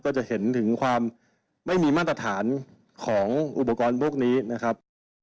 จะเห็นถึงความไม่มีมาตรฐานของอุปกรณ์พวกนี้นะครับ